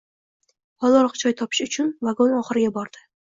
Holiroq joy topish uchun vagon oxiriga bordi.